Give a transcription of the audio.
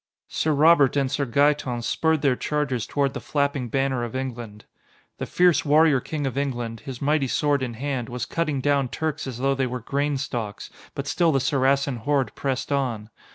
Sir Robert and Sir Gaeton spurred their chargers toward the flapping banner of England. The fierce warrior king of England, his mighty sword in hand, was cutting down Turks as though they were grain stalks, but still the Saracen horde pressed on.